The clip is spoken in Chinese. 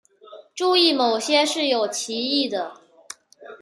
注意某些是有歧义的。